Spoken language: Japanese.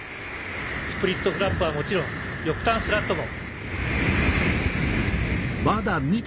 スプリットフラップはもちろん翼端スラットも。